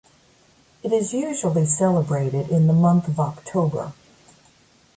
It is usually celebrated in the month of October.